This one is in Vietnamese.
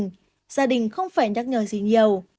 gia đình không phải nhắc nhở gì nhiều